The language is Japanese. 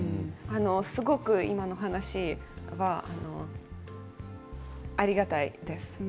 すごく今の話はありがたいです。